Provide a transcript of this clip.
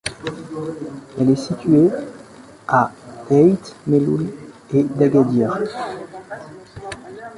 Elle est située à d'Aït Melloul et d'Agadir.